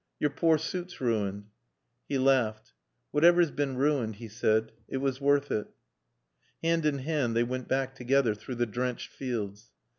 Your poor suit's ruined." He laughed. "Whatever's been ruined," he said, "it was worth it." Hand in hand they went back together through the drenched fields.